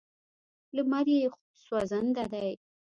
لمر یې سوځنده دی.